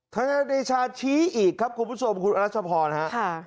ทนายเดชาชี้อีกครับคุณผู้ชมคุณรัชพรครับ